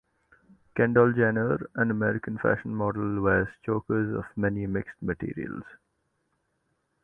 Kendall Jenner, an American fashion model wears chokers of many mixed materials.